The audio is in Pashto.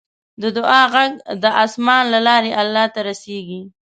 د دعا غږ د اسمان له لارې الله ته رسیږي.